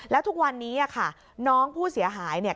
แล้วทุกวันนี้ค่ะน้องผู้เสียหายเนี่ย